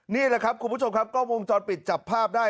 นี่แหละครับคุณผู้ชมครับกล้องวงจรปิดจับภาพได้